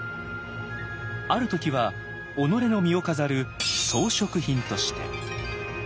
ある時は己の身を飾る「装飾品」として。